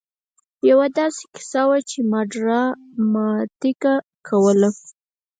يوه داسې کيسه وه چې ما ډراماتيکه کوله.